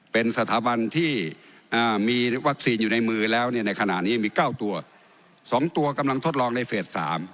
เป็นสถาบันที่มีวัคซีนอยู่ในมือแล้วเนี่ยในขณะนี้มี๙ตัว๒ตัวกำลังทดลองในเฟส๓